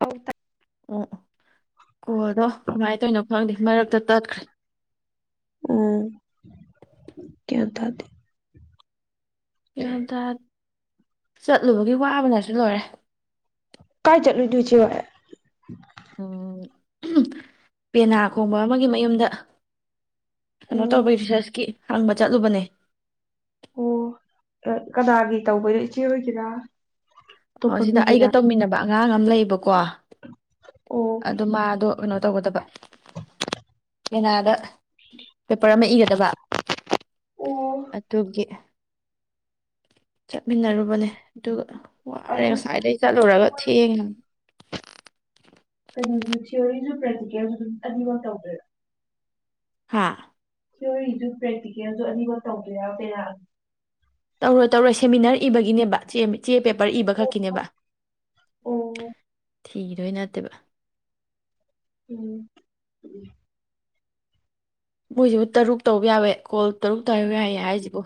ꯑꯧ ꯇꯥꯏ ꯑꯣ ꯑꯣ ꯀꯣꯗꯣ ꯅꯨꯡꯉꯥꯏꯇꯣꯏꯅꯣ ꯈꯪꯗꯦ ꯃꯔꯛꯇ ꯇꯠꯈ꯭ꯔꯦ ꯑꯣ ꯀꯌꯥ ꯊꯗꯤ ꯏꯗ ꯆꯠꯂꯨꯕꯒꯤ ꯋꯥꯕꯅꯁꯨ ꯂꯣꯏꯔꯦ ꯀꯥꯏ ꯆꯠꯂꯨꯏꯅꯣ ꯏꯆꯦ ꯍꯣꯏ ꯎꯝ ꯄꯦꯅꯥ ꯈꯣꯡꯕ ꯑꯃꯒꯤ ꯃꯌꯨꯝꯗ ꯑꯣ ꯀꯩꯅꯣ ꯇꯧꯕ ꯔꯤꯁꯔꯁꯀꯤ ꯍꯪꯕ ꯆꯠꯂꯨꯕꯅꯦ ꯑꯣ ꯀꯗꯥꯒꯤ ꯇꯧꯕꯅꯣ ꯏꯆꯦ ꯑꯣꯏꯒꯦꯔꯥ ꯑꯣ ꯁꯤꯗ ꯑꯩꯒ ꯇꯧꯃꯤꯟꯅꯕ ꯑꯉꯥꯡ ꯑꯃ ꯂꯩꯕꯀꯣ ꯀꯣ ꯑꯣ ꯑꯗꯨ ꯃꯥꯗꯣ ꯀꯩꯅꯣ ꯇꯧꯒꯗꯕ ꯄꯦꯅꯥꯗ ꯄꯦꯄꯔ ꯑꯃ ꯏꯒꯗꯕ ꯑꯣ ꯑꯗꯨꯒꯤ ꯆꯠꯃꯤꯟꯅꯔꯨꯕꯅꯦ ꯑꯗꯨꯒ ꯋꯥꯔꯦ ꯉꯁꯥꯏꯗꯒꯤꯩ ꯆꯠꯂꯨꯔꯒ ꯊꯦꯡꯉꯤꯅ [unintelligible] ꯀꯩꯅꯣꯁꯨ ꯊꯤꯑꯣꯣꯔꯤꯁꯨ ꯄ꯭ꯔꯦꯛꯇꯤꯀꯦꯜꯁꯨ ꯑꯗꯨꯝ ꯑꯅꯤꯃꯛꯧ ꯇꯧꯗꯣꯏꯔꯥ ꯍꯥ ꯁ ꯏꯖꯨ ꯄ꯭ꯔꯦꯇ ꯀ ꯑꯗꯨꯁꯨ ꯑꯅꯤꯃꯛ ꯇꯧꯗ ꯌꯥꯎ ꯀꯦꯔ ꯇꯧꯔꯣꯏ ꯇꯧꯔꯣꯏ ꯁꯦꯃꯤꯅꯥꯔ ꯏꯕꯒꯤꯅꯦꯕ ꯆꯦ ꯄꯦꯄꯔ ꯏꯕ ꯈꯛꯀꯤꯅꯦꯕ ꯑꯣ ꯊꯤꯗꯣꯏ ꯅꯠꯇꯦꯕ ꯎꯝ ꯎ ꯃꯣꯏꯁꯤꯕꯨ ꯇꯔꯨꯛ ꯇꯧꯕ ꯌꯥꯋꯦ ꯀꯣꯜ ꯇꯔꯨꯛꯛꯇ ꯍꯥꯏꯨ ꯌꯥꯏꯌꯦ ꯍꯥꯏꯁꯤꯕꯣ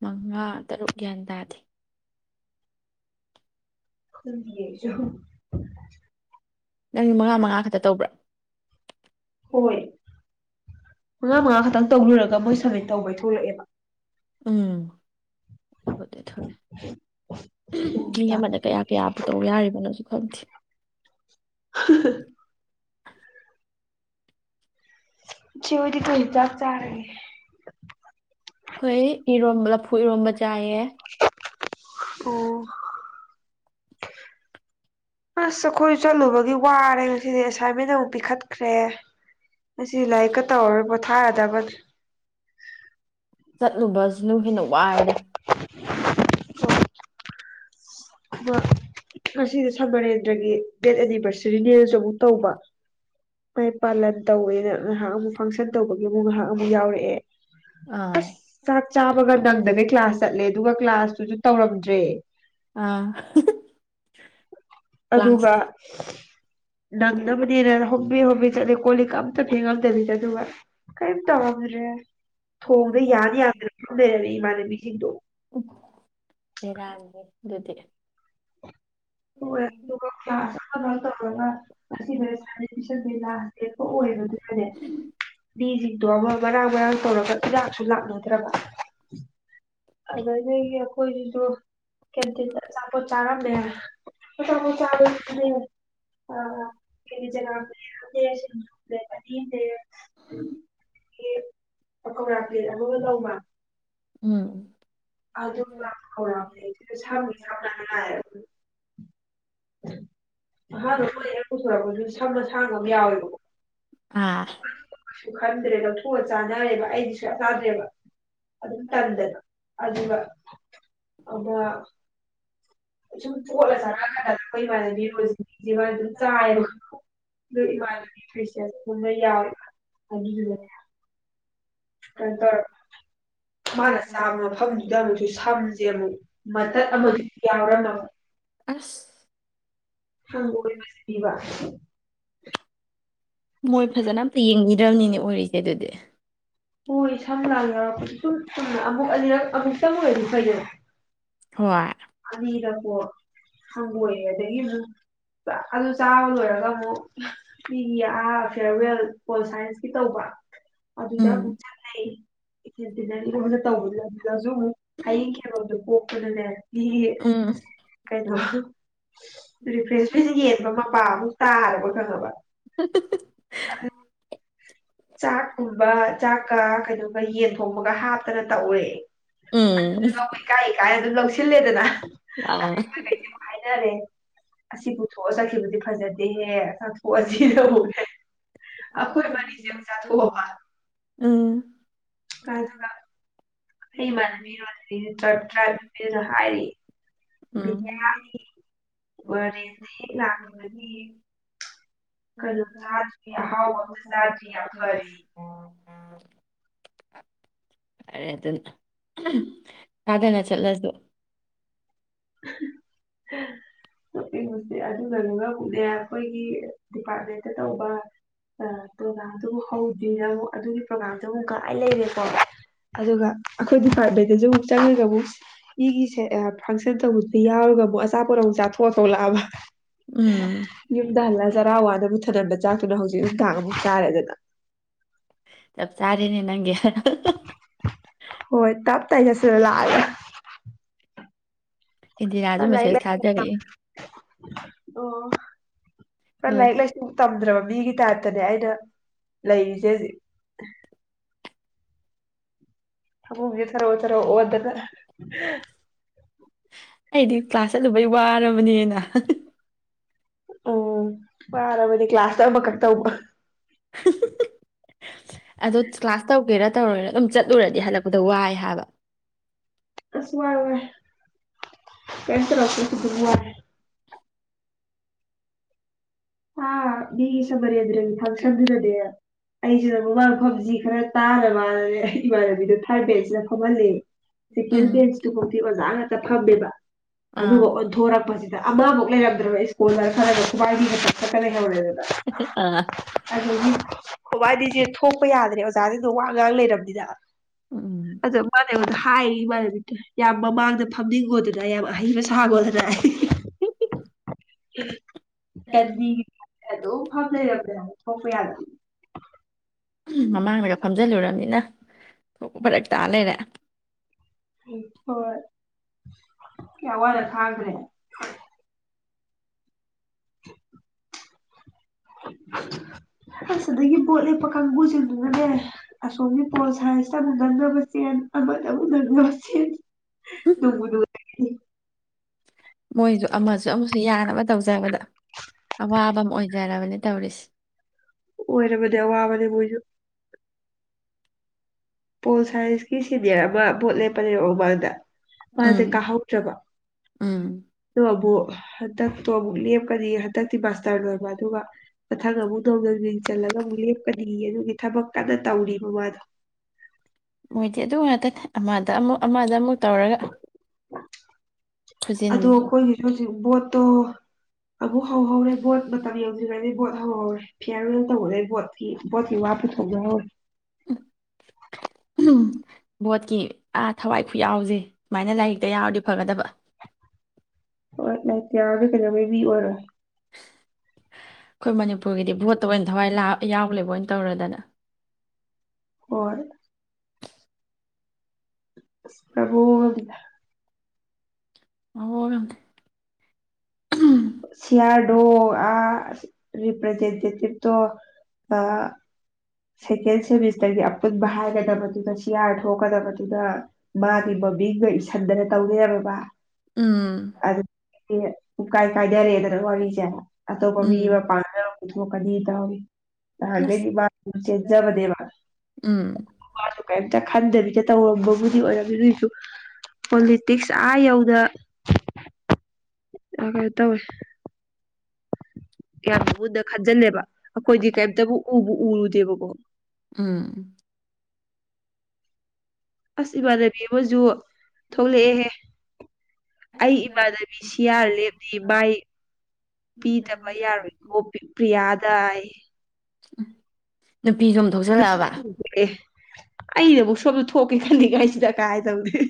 ꯃꯉꯥ ꯇꯔꯨꯛ ꯒ꯭ꯌꯥꯟ ꯇꯥꯗꯦ ꯈꯦꯖꯍ ꯅꯪ ꯃꯉꯥ ꯃꯉꯥ ꯈꯛꯇ ꯇꯧꯕ꯭ꯔꯥ ꯍꯣꯏ ꯃꯉꯥ ꯃꯉꯥ ꯈꯛꯇꯪ ꯇꯧꯔꯨꯔꯒ ꯃꯣꯏ ꯁꯕꯃꯤꯠ ꯇꯧꯕꯩ ꯊꯣꯛꯂꯛꯑꯦꯕ ꯎꯝ ꯑꯗꯨꯕꯨꯗꯤ ꯊꯣꯛ ꯃꯤ ꯑꯃꯗ ꯀꯌꯥ ꯀꯌꯥ ꯄꯨ ꯇꯧ ꯌꯥꯔꯤꯕꯅꯣ ꯍꯧ [inaudible] ꯦꯕꯗꯤ ꯀ ꯍ ꯆꯥꯛ ꯆꯔꯦ ꯐꯨꯏꯔꯣꯝꯕ ꯆꯥꯏꯌꯦ ꯑꯣ ꯑꯁ ꯑꯩꯈꯣꯏ ꯆꯠꯂꯨꯕꯒꯤ ꯋꯥꯔꯦ ꯉꯁꯤꯗꯤ ꯑꯦꯁꯥꯏꯟꯃꯦꯟ ꯑꯃꯨꯛ ꯄꯤꯈꯠꯈ꯭ꯔꯦ ꯑꯁꯤ ꯂꯥꯏꯀ ꯇꯔ ꯊꯥ ꯇ ꯐ ꯆꯠꯂꯨꯕ ꯁꯤꯅꯅꯨꯡ ꯍꯦꯟꯅ ꯋꯥꯏꯑꯗ ꯑꯣ ꯉꯁꯤꯗꯤ ꯁꯃꯔꯦꯟꯗ꯭ꯔꯒꯤ ꯗꯦꯠ ꯑꯦꯅꯤꯚꯔꯁꯔꯤꯅꯦꯅꯁꯨ ꯑꯃꯨꯛ ꯇꯧꯕ ꯃꯩ ꯄꯥꯂꯟ ꯇꯧꯋꯦꯅ ꯉꯥꯏꯍꯥꯛ ꯑꯃꯨꯛ ꯐꯪꯁꯟ ꯇꯧꯕꯒꯤ ꯑꯃꯨꯛ ꯉꯥꯏꯍꯥꯛ ꯑꯃꯨꯛ ꯌꯥꯎꯔꯛꯑꯦ ꯑꯥ ꯑꯁ ꯆꯥꯛ ꯆꯥꯕꯒ ꯅꯪꯗꯒꯩ ꯀ꯭ꯂꯥꯁ ꯆꯠꯂꯦ ꯑꯗꯨꯒ ꯀ꯭ꯂꯥꯁꯇꯨꯁꯨ ꯇꯧꯔꯝꯗ꯭ꯔꯦ ꯑꯥ ꯀ꯭ꯂꯥꯁ ꯑꯗꯨꯒ ꯅꯪꯅꯕꯅꯦꯅ ꯍꯕꯤ ꯆꯦ ꯀꯣꯂꯤ ꯀꯝ ꯐꯦꯡꯒꯗ ꯆ ꯑꯗꯨꯕ ꯀꯔꯤꯝ ꯇꯧꯔꯝꯗ꯭ꯔꯦ ꯊꯣꯡꯗ ꯌꯥꯅꯤ ꯌꯥꯗꯅ ꯑꯗꯨꯝ ꯂꯩꯔꯝꯃꯤ ꯏꯃꯥꯟꯅꯕꯤꯁꯤꯡꯗꯣ ꯕꯦꯔꯥꯅꯤ ꯑꯗꯨꯗꯤ ꯦ ꯑꯗꯨꯒ ꯀ꯭ꯂꯥꯁ ꯑꯃꯈꯛ ꯇꯧꯔꯒ ꯉꯗ ꯁ ꯇꯁꯟꯁꯦ ꯂꯥꯁꯄ ꯑꯣꯏꯕꯗꯨꯅꯅꯦ ꯃꯤꯁꯤꯡꯗꯣ ꯑꯃ ꯃꯔꯥꯡ ꯃꯔꯥꯡ ꯇꯧꯔꯒ ꯍꯤꯗꯥꯛꯁꯨ ꯂꯥꯛꯅꯗ꯭ꯔꯕ ꯑꯗ ꯂꯩꯈꯣꯏ ꯇꯨꯛ ꯀꯤꯟ ꯆꯄꯣꯠ ꯆꯔꯝ ꯦ [inaudible] ꯑ ꯆ ꯑ ꯀ ꯌꯦꯡꯒꯦꯌꯦ [inaudible] ꯄꯀꯧꯔ ꯄ꯭ꯂꯦꯠ ꯑꯃꯒ ꯂꯧꯕ ꯎꯝ [unintelligible] [unintelligible] ꯅꯍꯥꯟꯗꯣ [inaudible] ꯍꯦꯛ ꯄꯨꯊꯣꯔꯛꯄꯁꯨ ꯁꯝ ꯑꯁꯥꯡꯕ ꯑꯃ ꯌꯥꯎꯋꯦꯕꯀꯣ ꯑꯥ ꯈꯟꯗ꯭ꯔꯦ ꯂꯧꯊꯣꯛꯑꯒ ꯆꯥꯅꯔꯦꯕ ꯑꯩꯗꯤ ꯁꯨꯡꯆ ꯆꯥꯗ꯭ꯔꯦꯕ ꯑꯗꯨꯝ ꯇꯟꯗꯅ ꯑꯗꯨꯒ ꯑꯃ ꯁꯨꯝ ꯇꯣꯠꯂ ꯆꯠꯔꯛꯑꯀꯥꯟꯗ ꯑꯩꯈꯣꯏ ꯏꯃꯥꯟꯅꯕꯤ ꯔꯣꯖꯤꯕꯤꯁꯦ ꯃꯥ ꯑꯗꯨꯝ ꯆꯥꯏꯌꯦꯕ ꯈꯪꯉꯕ ꯏꯃꯥꯟꯅꯕꯤ [inaudible] ꯌꯥꯎꯋꯦꯕ ꯑꯗꯨꯗꯨꯅꯅꯦ ꯀꯩꯅꯣꯇꯧꯔꯕ ꯃꯥꯅ ꯆꯥꯕ ꯃꯐꯝꯗꯨꯗ ꯑꯃꯨꯛꯁꯨ ꯁꯝꯁꯦ ꯑꯃꯨꯛ ꯃꯇꯠ ꯑꯃꯗꯤ ꯌꯥꯎꯔꯝꯃꯕ ꯑꯁ ꯍꯪꯒꯣꯏꯕꯁꯤꯗꯤꯕ ꯃꯣꯏ ꯐꯖꯅ ꯑꯝꯇ ꯌꯦꯡ ꯗ꯭ꯔꯝꯅꯤꯅꯦ ꯑꯣꯏꯔꯤꯁꯦ ꯑꯗꯨꯗꯤ ꯍꯣꯏ ꯁꯝ ꯂꯥꯟ ꯌꯧꯔꯛꯄꯗꯨ ꯁꯨꯝ ꯆꯨꯝꯅ ꯑꯃꯨꯛ ꯑꯅꯤꯔꯛ ꯑꯃꯨꯛꯇꯪ ꯑꯣꯏꯗꯤ ꯐꯩꯗꯅ ꯍꯣꯏ ꯑꯅꯤꯔꯛꯄꯣ ꯍꯪꯒꯣꯏꯔꯦ ꯑꯗꯒꯤ ꯑꯃꯨꯛ ꯑꯗꯨ ꯆꯥꯕ ꯂꯣꯏꯔꯒ ꯑꯃꯨꯛ ꯃꯤꯒꯤ ꯑꯥ ꯐꯤꯔꯋꯦꯜ ꯄꯣꯜ ꯁꯥꯏꯟꯁꯀꯤ ꯇꯧꯕ ꯑꯗꯨꯗ ꯎꯝ ꯑꯃꯨꯛ ꯆꯪꯉꯦ [unintelligible] ꯃꯤ ꯎꯝ ꯀꯩꯅꯣꯒꯤ ꯔꯤꯐ꯭ꯔꯦꯁꯃꯦꯟ ꯌꯦꯟꯕ ꯃꯄꯥ ꯃꯨꯛ ꯇꯥꯔꯕ [inaudible] ꯕ [unintelligible] ꯆꯥꯛꯀꯨꯝꯕ ꯆꯥꯛ ꯀ ꯀꯩꯅꯣꯒ ꯌꯦꯟ ꯊꯣꯡꯕꯒ ꯍꯥꯞꯇꯅ ꯇꯧꯔꯦ ꯎꯝ ꯏꯀꯥꯏ ꯏꯀꯥꯏ ꯂꯧꯁꯤꯜꯂꯦꯗꯅ ꯑ [inaudible] ꯔꯦ ꯑꯁꯤ ꯄꯨꯊꯣꯛꯑ ꯆꯠꯈꯤꯕꯗꯤ ꯐꯖꯗꯦꯍꯦ ꯑꯁ [unintelligible] ꯑꯈꯣꯏ ꯃꯔꯤ [unintelligible] ꯎꯝ ꯎꯝ ꯑꯩꯃꯥꯟꯅꯕꯤ [unintelligible] ꯇ꯭ꯔꯥꯞ ꯅꯨꯄꯤꯗꯨꯗ ꯍꯥꯏꯔꯤ ꯎꯝ ꯕꯤꯗꯌꯥꯒꯤ ꯋꯥꯔꯤ ꯍꯦꯛ ꯂꯥꯛ ꯐꯔꯦ [unintelligible] ꯐꯔꯦ ꯑꯗꯨꯅ ꯇꯥꯗꯅ ꯆꯠꯂꯁꯨ ꯅꯣꯛꯅꯤꯡꯕꯁꯤ ꯑꯗꯨꯒꯅꯦ ꯑꯃꯨꯛꯅꯦ ꯑꯈꯣꯏꯒꯤ ꯗꯤꯄꯥꯔꯠꯃꯦꯟꯇ ꯇꯧꯕ ꯄ꯭ꯔꯣꯒꯥ꯭ꯔꯝꯗꯨꯕꯨꯨ ꯍꯧꯗ꯭ꯔꯤꯅ ꯑꯃꯨꯛ ꯑꯗꯨꯒꯤ ꯄ꯭ꯔꯣꯒꯥꯥꯝꯗꯨ ꯑꯃꯨꯛ ꯊꯥꯏ ꯂꯩꯔꯦꯀꯣ ꯑꯗꯨꯒ ꯑꯈꯣꯏ ꯗꯤꯄꯥꯔꯠꯃꯦꯟꯗꯁꯨ ꯑꯃꯨꯛ ꯆꯪꯉ [unintelligible] ꯏꯒꯤꯁꯦ ꯐꯪ ꯐꯇꯧꯕꯁꯨ ꯌꯥꯎꯔꯒ ꯑꯃꯨꯛ ꯑꯆꯥꯄꯣꯠ ꯑꯃꯨꯛ ꯆꯥꯊꯣꯛꯑ ꯊꯣꯛꯂꯛꯑꯕ ꯎꯝ ꯌꯨꯝꯗ ꯍꯜꯂ ꯆꯔꯥꯋꯥꯗ [unintelligible] ꯆꯥꯛꯇꯨꯅ ꯍꯧꯖꯤꯛ ꯅꯨꯡꯗꯥꯡ ꯑꯃꯨꯛ ꯆꯥꯔꯦꯗꯅ ꯆꯞ ꯆꯥꯔꯦꯅꯦ ꯅꯪꯒꯤ ꯍꯣꯏ ꯇꯞ ꯇꯥꯏ ꯆꯥꯁꯤꯜꯂ ꯂꯥꯛꯑꯒ ꯏꯟꯗꯤꯔꯥꯁꯨ ꯂꯥꯏꯔꯤꯛ ꯃꯦꯁꯦꯖ ꯂꯥꯏꯁꯨ ꯊꯥꯖꯔꯛꯏ ꯑꯣ ꯄ ꯂꯣꯏ ꯂꯥꯏꯔꯤꯛ ꯂꯥꯏꯁꯨ ꯇꯝꯗ꯭ꯔꯕ ꯃꯤꯒꯤ ꯇꯥꯏꯞꯇꯅꯦ ꯑꯩꯅ ꯂꯩꯔꯤꯁꯦ ꯍꯧꯖꯤꯛ ꯐꯃꯨꯡꯁꯤ ꯊꯔꯣ ꯊꯔꯣ ꯑꯣꯟꯗꯅ ꯑꯩꯗꯤ ꯀ꯭ꯂꯥꯁ ꯆꯠꯂꯨꯕꯩ ꯋꯥꯔꯕꯅꯤꯅ ꯎꯝ ꯋꯥꯔꯕꯅꯤ ꯀ꯭ꯂꯥꯁꯅ ꯑꯃꯈꯛ ꯇꯧꯕ ꯑꯗꯨ ꯀ꯭ꯂꯥꯁ ꯇꯧꯒꯦꯔꯥ ꯇꯧꯔꯦꯏꯔ ꯑꯗꯨꯝ ꯆꯠꯂꯨꯔꯗꯤ ꯍꯜꯂꯛꯄꯗ ꯋꯥꯏ ꯍꯥꯏꯕ ꯑꯁ ꯋꯥꯏ ꯋꯥꯏ ꯀꯦꯝ ꯇꯧꯔꯛꯇ꯭ꯔꯁꯨ ꯑꯗꯨꯝ ꯋꯥꯏ ꯍꯥ ꯃꯤꯒꯤ ꯁꯃꯔꯦꯟꯗ꯭ꯔꯒꯤ ꯐꯪꯁꯟꯗꯨꯗꯅꯦ ꯑꯩꯁꯤꯅ ꯃꯃꯥꯡ ꯃꯐꯝꯁꯤ ꯈꯔ ꯇꯥꯕ ꯅꯅꯦ ꯏꯃꯥꯟꯅꯕꯤꯗꯣ ꯊꯥꯔ ꯕꯦꯟꯁꯤꯗ ꯐꯝꯍꯜꯂꯦ ꯁꯦꯀꯦꯟ ꯎꯝ ꯕꯦꯟꯁꯇꯨ ꯐꯥꯎꯗꯤ ꯑꯣꯖꯥꯉꯥꯛ ꯐꯝꯃꯦꯕ ꯑꯥ ꯑꯗꯨꯒ ꯑꯣꯟꯊꯣꯔꯛꯄꯁꯤꯗ ꯑꯃꯃꯨꯛ ꯂꯩꯔꯝꯗ꯭ꯔꯕ ꯁ꯭ꯀꯨꯜꯗ ꯈꯔꯒ [unintelligible] ꯑꯥ [unintelligible] ꯈꯣꯏꯕꯥꯅꯤꯁꯦ ꯊꯣꯛꯄ ꯌꯥꯗ꯭ꯔꯦ ꯑꯣꯖꯥꯥꯁꯤꯡꯗꯣ ꯋꯥ ꯉꯥꯡ ꯂꯩꯔꯕꯅꯤꯗ ꯎꯝ ꯑꯗꯨꯒ ꯃꯥꯅ ꯍꯥꯏ ꯃꯔ ꯌꯥꯝ ꯃꯃꯥꯡꯗ ꯐꯝꯅꯤꯡꯈꯣꯗꯨꯅ ꯑꯌꯥꯝ ꯑ ꯍꯩꯕ ꯁꯥꯒꯣꯗꯅ ꯎꯝ ꯀꯗꯤ ꯑꯗꯨꯝ ꯐꯝ ꯂꯩꯔꯝꯃꯦ ꯍꯥꯏ ꯊꯣꯛꯄ ꯌꯥꯒꯗꯤ ꯃꯃꯥꯡꯗꯒ ꯐꯝꯖꯤꯜꯂꯨꯔꯕꯅꯤꯅ ꯊꯣꯛ ꯐꯔꯛ ꯇꯥ ꯂꯩꯔꯑꯦ ꯍꯣꯏ ꯌꯥꯋꯥꯗ ꯍꯥꯏ꯭ꯔꯦ ꯑꯗꯒꯤ ꯄꯣꯠ ꯂꯦꯞꯄ ꯀꯥꯡꯕꯨꯁꯤꯡꯗꯨꯅꯅꯦ ꯑꯁꯣꯝꯒꯤ ꯄꯣꯠ ꯁꯥꯏꯁꯇ ꯑꯃꯨꯛ ꯅꯪꯅꯕ ꯆꯦꯟ ꯑꯃꯗ ꯑꯃꯨꯛ ꯅꯪꯅꯕ ꯆꯦꯟ ꯅꯨꯡꯕꯨ ꯅꯨꯡꯉꯥꯏꯅꯤ ꯃꯣꯏꯗ ꯑꯃꯁꯨ ꯑꯃꯁꯨ ꯌꯥꯅꯕ ꯇꯧꯖꯕꯗ ꯑꯋꯥꯕ ꯑꯃ ꯑꯣꯏꯖꯔꯕꯅꯦ ꯇꯧꯔꯤꯁꯦ ꯑꯣꯏꯣꯏꯔꯦꯕ ꯋꯥꯕꯗꯤꯕꯨꯣꯏꯁꯨ ꯄꯣꯜ ꯁꯥꯏꯟꯁꯀꯤ ꯁꯤꯦꯅꯤꯌꯔ ꯑꯃ ꯚꯣꯠ ꯂꯦꯞꯄꯅꯦꯔꯃꯥꯡꯗ ꯃꯥꯁꯦ ꯎꯝ ꯀꯥꯍꯧꯗ꯭ꯔꯕ ꯎꯝ ꯑꯣꯕꯨ ꯍꯟꯗꯛꯇꯣ ꯑꯃꯨꯛ ꯂꯦꯞꯀꯅꯤ ꯍꯟꯗꯛꯇꯤ ꯃꯥꯁꯇꯔ ꯂꯣꯏꯕ ꯑꯗꯨꯒ ꯃꯊꯪ ꯑꯃꯨꯛ ꯅꯣꯡ ꯅꯧꯡ ꯆꯜꯂꯒ ꯑꯃꯨꯛ ꯂꯦꯞꯀꯅꯤ ꯑꯗꯨꯒꯤ ꯊꯕꯛ ꯀꯟꯅ ꯇꯧꯔꯤꯕꯔꯤꯕ ꯃꯥꯗꯣ ꯃꯣꯏꯗꯤ ꯑꯗꯨ ꯉꯥꯛꯇꯅꯦ ꯑꯃꯗ ꯑꯃꯨꯛ ꯑꯃꯗ ꯑꯃꯨꯛ ꯇꯧꯔꯒ ꯑꯗꯣ ꯈꯨꯖꯤꯟꯁꯤꯁꯨ ꯑꯩꯈꯣꯏꯒꯤꯁꯨ ꯍꯧꯖꯤꯛ ꯕꯣꯠ ꯇꯣ ꯑꯃꯨꯛ ꯍꯧꯍꯧꯔꯦ ꯕꯣꯠ ꯃꯇꯝ ꯌꯧꯁꯤꯈꯗꯤ ꯕꯣꯠ ꯍꯧꯍꯧꯔꯦ ꯐꯤꯌꯥꯔꯋꯦꯜ ꯇꯧꯍꯔꯦ ꯕꯣꯠꯀꯤ ꯕꯣꯠꯀꯤ ꯋꯥ ꯄꯨꯊꯣꯛꯖꯍꯧꯔꯦ ꯎ ꯕꯣꯠꯀꯤ ꯑ ꯊꯋꯥꯏ ꯈꯨꯌꯥꯎꯁꯦ ꯁꯨꯥꯏꯅꯥꯏꯔꯤꯛꯇ ꯌꯥꯎꯔꯤꯕ ꯐꯒꯗꯕ ꯑꯣ ꯂ ꯇꯌꯥꯔꯗ ꯀꯂꯃꯤꯦꯕꯤ ꯑꯣꯏꯔ ꯑꯩꯈꯣꯏ ꯃꯅꯤꯄꯨꯔꯒꯤꯗꯤ ꯚꯣꯠꯇ ꯑꯣꯏꯅ ꯊꯋꯥꯏ ꯂꯥꯛ ꯌꯥꯎꯂꯦꯕꯣꯏ ꯑꯣꯏꯅ ꯇꯧꯔꯗꯅ ꯍꯣꯏ ꯑꯣ ꯑ ꯁꯤꯌꯥꯔ ꯣ ꯑꯔꯤꯄ꯭ꯔꯦꯖꯦꯟ ꯇꯣ ꯑ ꯁꯦꯀꯦꯟꯁꯦꯕꯤꯁ ꯇꯔꯤꯈꯦ ꯔꯒꯗꯕ ꯑꯗꯨꯒ ꯁꯤꯌꯥꯔ ꯊꯣꯛꯀꯗꯕꯗꯨꯗ ꯃꯥꯒꯤ ꯕꯣꯕꯤꯒ ꯏꯁꯤꯟꯗꯅ ꯇꯧꯗ ꯕꯕꯥ ꯎꯝ ꯑꯗꯨ ꯎ ꯀꯥꯏ ꯀꯥꯏꯗꯔꯦꯗ꯭ꯔꯒꯖ ꯑꯇꯣꯞꯄ ꯃꯤꯕ ꯎꯝ ꯄꯥ ꯕꯨ ꯀꯗꯤ ꯏꯗꯦ ꯑꯁ ꯍꯒꯦꯗꯤ ꯦꯖꯕꯗꯦꯕ ꯎꯝ ꯀꯩꯝꯇ ꯈꯟꯗꯕꯤꯗ ꯇꯧꯔꯝꯕꯕꯨꯗꯤ ꯑꯣꯏꯔꯝꯃꯤ ꯑꯗꯨꯏꯁꯨ ꯄꯣꯂꯤꯇꯤꯛꯁ ꯑꯥ ꯌꯧꯗ ꯑꯈꯔ ꯇꯧ ꯌꯥꯝ ꯃꯨꯟꯅ ꯈꯟꯖꯤꯜꯂꯦꯕ ꯑꯩꯈꯣꯏꯗꯤ ꯀꯩꯝꯇꯕꯨ ꯎꯔ ꯗꯕꯕꯣ ꯎꯝ ꯑꯁ ꯏꯃꯥꯟꯅꯕꯤ ꯑꯃꯁꯨ ꯊꯣꯛꯂꯛꯑꯦꯍꯦ ꯑꯩ ꯏꯃꯥꯟꯅꯕꯤ ꯁꯤꯌꯥꯔ ꯂꯦꯞꯂꯤ ꯃꯥꯏ ꯄꯤꯗꯕ ꯌꯥꯔꯣꯏꯀꯣ ꯄ꯭ꯔꯤꯌꯥꯗ ꯎ ꯐꯄꯤꯤ ꯁꯣꯝ ꯊꯣꯛꯆꯜꯂꯛꯑꯕ ꯑꯩꯗꯕꯨꯛ ꯁꯣꯝꯗ ꯊꯣꯛꯀꯦ ꯈꯟꯜꯂꯤꯉꯥꯏꯁꯤꯗ ꯀꯥꯏꯗꯧꯅꯤ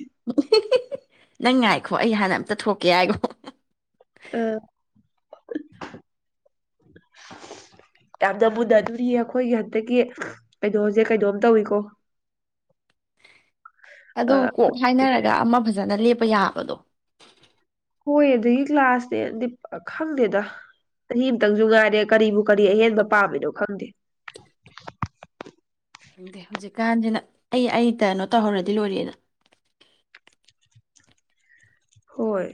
ꯅꯪ ꯉꯥꯏꯈꯣ ꯑꯩ ꯍꯥꯟꯅ ꯑꯝꯇ ꯊꯣꯛꯀꯦ ꯍꯥꯏꯔꯣ ꯑ ꯌꯥꯝꯅ ꯃꯨꯟꯅꯗꯣꯔꯤꯌꯦ ꯑꯩꯈꯣꯏꯒꯤ ꯍꯟꯇꯛꯀꯤ ꯀꯩꯅꯣꯖꯤꯦ ꯀꯩꯅꯣꯝ ꯇꯧꯏꯀꯣ ꯑ ꯑꯗꯨ ꯀꯣꯛ ꯍꯥꯏꯅꯔꯒ ꯑꯃ ꯐꯖꯅ ꯂꯦꯞꯄ ꯌꯥꯕꯗꯣ ꯍꯣꯏ ꯑꯗꯨꯒꯤ ꯀ꯭ꯂꯥꯁꯅꯦꯗꯤ ꯈꯪꯗꯦꯗ ꯆꯍꯤ ꯑꯃꯇꯪꯁꯨ ꯉꯥꯏꯔꯦ ꯀꯔꯤꯕꯨ ꯀꯔꯤ ꯑꯍꯦꯟꯕ ꯄꯥꯝꯃꯤꯅꯣ ꯈꯪꯗꯦ ꯈꯪꯗꯦ ꯍꯧꯖꯤꯛꯀꯥꯟꯁꯤꯅ ꯑꯩ ꯑꯩ ꯇꯩꯅꯣ ꯇꯧꯍꯧꯔꯗꯤ ꯂꯣꯏꯔꯦꯅ ꯍꯣꯏ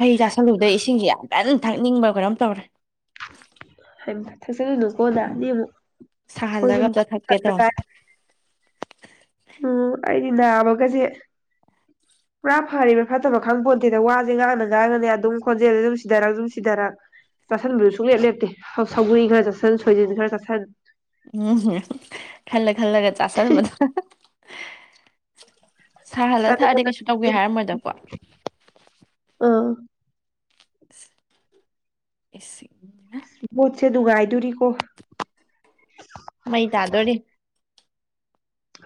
ꯍꯩ ꯆꯥꯁꯜꯂꯨꯕꯗ ꯏꯁꯤꯡꯁꯤ ꯌꯥꯝ ꯐꯖꯅ ꯊꯛꯅꯤꯡꯕ ꯈꯔꯝ ꯇꯧꯔꯦ ꯊꯁꯅꯨꯀꯣꯗꯥꯅꯤ ꯑꯃꯨꯛ ꯁꯥꯍꯜꯂꯒ ꯑꯩꯈꯣꯏꯁꯨ ꯑꯝꯇ ꯊꯛꯀꯦ ꯇꯣ ꯎꯝ ꯑꯩꯗꯤ ꯅꯥꯕꯒꯁꯦ ꯄꯨꯔꯥ ꯐꯔꯤꯕ ꯐꯠꯇꯕ ꯈꯪ ꯄꯣꯟꯇꯦꯗ ꯋꯥꯁꯦ ꯉꯥꯡꯅ ꯉꯥꯡꯉꯅꯤ ꯑꯗꯨꯝ ꯈꯣꯟꯖꯦꯜꯁꯦ ꯑꯗꯨꯝ ꯁꯤꯙꯔꯒ ꯑꯗꯨꯝ ꯁꯤꯙꯔ ꯆꯥꯁꯤꯟꯕꯗꯨ ꯁꯨꯡꯛꯂꯦꯞ ꯂꯦꯞꯇꯦ ꯁꯒꯔꯤ ꯈꯔ ꯆꯠꯁꯤꯟ ꯁꯣꯏꯖꯤꯟ ꯈꯔ ꯆꯠꯁꯤꯟ ꯎꯝ ꯈꯜꯂ ꯈꯜꯂꯒ ꯆꯥꯁꯟꯕꯗ [unintelligible] ꯁꯥꯍꯜꯂ ꯊꯛꯑꯗꯤ ꯀꯩꯁꯨ ꯇꯧꯒꯦ ꯍꯥꯏꯔꯝꯃꯣꯏꯗꯀꯣ ꯑꯥ ꯑꯦꯁꯤ ꯑꯗꯨꯔꯤ ꯃꯩ ꯇꯥꯗꯣꯔꯤ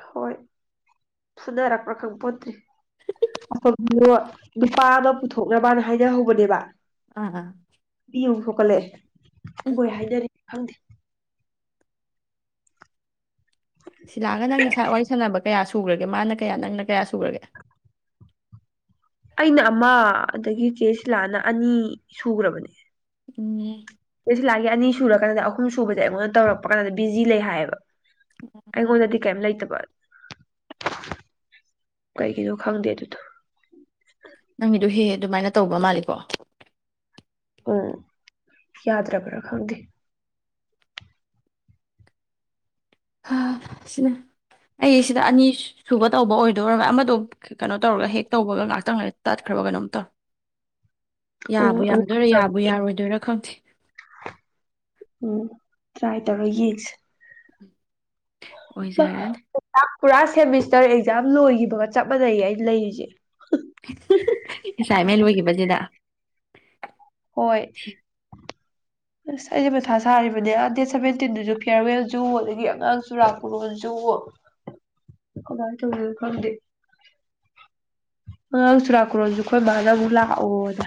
ꯍꯣꯏ ꯐꯨꯅꯔꯛꯄ꯭ꯔꯥ ꯈꯪ ꯄꯣꯠꯇ꯭ꯔꯤ ꯑꯣꯝꯗꯣ ꯅꯨꯄꯥ ꯑꯃ ꯄꯨꯊꯣꯛꯅꯕꯅ ꯍꯥꯏꯅꯍꯧꯕꯅꯦꯕ ꯑꯥ ꯌ ꯀꯂꯦ ꯎꯝ ꯕꯣꯏꯍꯥꯏꯗꯔꯤ ꯍꯗꯤ ꯁꯤꯂꯥꯛꯑꯒ ꯅꯪꯒꯤ ꯏꯁꯥꯏ ꯋꯥꯔꯤ ꯁꯥꯟꯅꯕ ꯀꯌꯥꯁꯨ ꯁꯨꯈ꯭ꯔꯒꯦ ꯃꯥꯅ ꯀꯌꯥ ꯅꯪꯅ ꯀꯌꯥ ꯁꯨꯈ꯭ꯔꯒꯦ ꯑꯩꯅ ꯑꯃꯥ ꯑꯗꯒꯤ ꯀꯦꯁꯂꯥꯟꯑꯅ ꯑꯅꯤ ꯁꯨꯈ꯭ꯔꯕꯅꯦ ꯏꯅꯦ ꯀꯁꯤꯂꯥꯒꯤ ꯑꯅꯤ ꯁꯨꯔ ꯀꯥꯟꯗ ꯑꯍꯨꯝ ꯁꯨꯕꯁꯦ ꯑꯩꯉꯣꯟꯗ ꯇꯧꯔꯛꯄ ꯀꯥꯟꯗ ꯕꯤꯖꯤ ꯂꯩ ꯍꯥꯏꯌꯦꯕ ꯑꯩꯉꯣꯟꯗꯗꯤ ꯀꯩꯝ ꯂꯩꯇꯕ ꯀꯥꯏꯒꯤꯁꯨꯕꯨ ꯈꯥꯎꯗ ꯑꯗꯨ ꯅꯪꯒꯤꯗꯨ ꯍꯦꯦ ꯑꯗꯨꯃꯥꯏꯅ ꯇꯧꯕ ꯃꯥꯜꯂꯤ ꯀ ꯎꯝ ꯌꯥꯗ ꯔꯥꯔꯕꯔ ꯈꯥꯎꯗꯤ ꯁꯤꯅꯦ ꯑꯩ ꯁꯤꯗ ꯑꯅꯤ ꯁꯨꯕ ꯇꯧꯕ ꯑꯣꯏꯅ ꯑꯗꯨ ꯑꯣꯏꯔꯒ ꯑꯃꯗꯣ ꯀꯩꯅꯣ ꯇꯧꯔꯒ ꯍꯦꯛ ꯇꯧꯕꯒ ꯉꯍꯥꯛꯇꯪ ꯉ ꯇꯠ ꯑ꯭ꯔꯕꯒꯅꯝꯇ ꯌꯥꯕꯨ ꯎꯝ ꯑꯃꯨꯛ ꯌꯥꯔꯗꯣꯏꯔꯥ ꯍꯥꯏꯔꯛꯑꯣ? ꯌꯥꯕꯨ ꯌꯥꯔꯣꯏꯗꯣꯏꯔꯥ ꯈꯪꯗꯦ [unintelligible] ꯎꯝ ꯇ꯭ꯔꯥꯏ ꯇꯧꯔ ꯌꯦꯡꯁꯦ ꯑꯣꯏꯖꯥꯔꯦꯟ ꯀꯔꯥꯁ ꯁꯦꯃꯤꯁꯇꯔ ꯑꯦꯛꯖꯥꯝ ꯂꯣꯏꯈꯤꯕꯒ ꯆꯞꯄꯗꯒꯤ ꯑꯩ ꯂꯩꯔꯤꯁꯦ ꯑꯦꯁꯥꯏꯟꯃꯦꯟ ꯂꯣꯏꯈꯤꯕꯁꯤꯗ ꯍꯣꯏ ꯑꯁ ꯑꯩꯁꯦ ꯃꯊꯥ ꯁꯥꯔꯤꯕꯅꯦ ꯑꯥ ꯗꯦꯠ ꯁꯚꯦꯟꯇꯤꯟꯗꯨꯁꯨ ꯐꯤꯌꯥꯔꯋꯦꯜꯁꯨ ꯑꯗꯒꯤ ꯑꯉꯥꯡ ꯆꯨꯔꯥꯀꯣꯟꯁꯨ ꯀꯃꯥꯏꯅ ꯇꯧꯔꯤꯅ ꯈꯪꯗꯦ ꯑꯉꯥꯡ ꯆꯨꯔꯥꯀꯣꯟꯁꯨ ꯑꯩꯈꯣꯏ ꯃꯥꯅ ꯑꯃꯨꯛ ꯂꯥꯛꯑꯣꯅ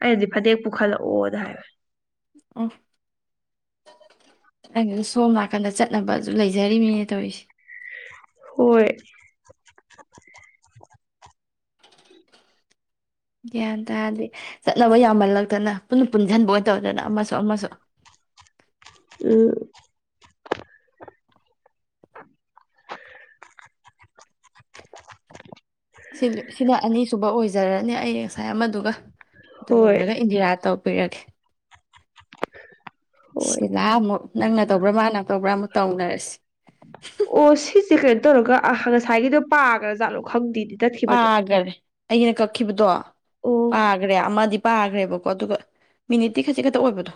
ꯍꯥꯏ ꯑꯩꯗꯤ ꯐꯅꯦꯛ ꯄꯨꯈꯠꯂꯛꯑꯣꯗ ꯍꯥꯏꯕ ꯑꯣ ꯑꯗꯨ ꯁꯣꯝ ꯅꯥꯀꯟꯗ ꯆꯠꯅꯕꯁꯨ ꯂꯩꯖꯔꯤꯃꯤꯅꯦ ꯇꯧꯔꯤꯁꯦ ꯍꯣꯏ ꯒ꯭ꯌꯥꯟ ꯇꯥꯔꯗꯤ ꯆꯠꯅꯕ ꯌꯥꯝꯃꯜꯂꯛꯇꯅ ꯄꯨꯟꯅ ꯄꯨꯟꯁꯤꯟꯕ ꯑꯣꯏꯅ ꯇꯧꯗꯅ ꯑꯃꯁꯨ ꯑꯃꯁꯨ ꯎꯝ ꯁꯤꯅ ꯑꯅꯤꯁꯨꯕ ꯑꯣꯏꯖꯔꯅꯤ ꯑꯩ ꯉꯁꯥꯏ ꯑꯃꯗꯨꯒ ꯑꯗꯨ ꯍꯣꯏ ꯂꯣꯏꯔꯒ ꯏꯟꯗꯤꯔꯥ ꯇꯧ ꯄꯤꯔꯛꯒꯦ ꯍꯣꯏ ꯁꯤꯂꯥ ꯑꯃꯨꯛ ꯅꯪꯅ ꯇꯧꯕ꯭ꯔꯥ ꯃꯥꯅ ꯇꯧꯕ꯭ꯔꯥ ꯑꯃꯨꯛ ꯇꯧꯅꯔꯁꯤ ꯁꯤ ꯀꯩꯅꯣ ꯇꯧꯔꯒ ꯉꯁꯥꯏꯒꯤꯗꯣ ꯄꯥꯒ꯭ꯔꯥ ꯖꯥꯠꯂꯣ ꯈꯪꯗꯦ ꯑꯒꯔꯦ ꯑꯩꯅ ꯀꯛꯈꯤꯕꯗꯣ ꯑꯣ ꯑꯒ꯭ꯔꯦ ꯑꯃꯃꯗꯤ ꯄꯥꯈ꯭ꯔꯦꯕꯀꯣ ꯑꯗꯨꯒ ꯃꯤꯅꯤꯠꯇꯤ ꯈꯖꯤꯛ ꯈꯛꯇ ꯑꯣꯏꯕꯗꯣ